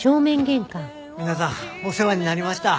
皆さんお世話になりました。